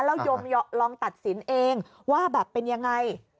แล้วยมลองตัดสินเองว่าแบบเป็นยังไง